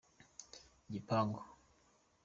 igipangu.